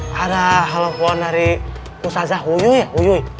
eh ada telepon dari ustadzah huyuy ya huyuy